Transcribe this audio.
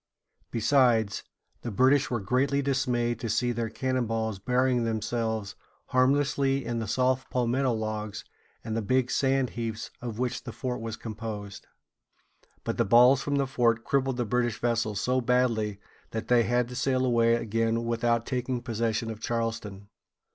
Besides, the British were greatly dismayed to see their cannon balls burying themselves harmlessly in the soft palmetto logs and the big sand heaps of which the fort was composed. But the balls from the fort crippled the British vessels so badly that they had to sail away again without taking possession of Charleston.